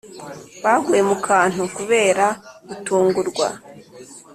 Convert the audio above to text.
baguye mu kantu kubera gutungurwa